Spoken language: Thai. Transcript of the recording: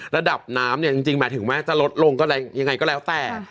ระดับน้ำเนี่ยจริงหมายถึงแม้จะลดลงก็แรงยังไงก็แล้วแต่